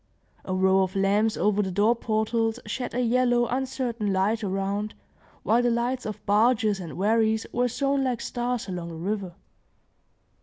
A row of lamps over the door portals shed a yellow, uncertain light around, while the lights of barges and wherries were sown like stars along the river.